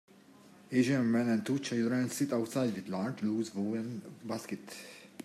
Asian man and two children sit outside with large loose woven basket.